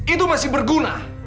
itu masih berguna